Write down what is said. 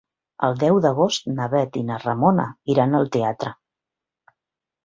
El deu d'agost na Bet i na Ramona iran al teatre.